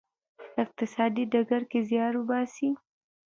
اقتصادي ډګر کې زیار وباسی.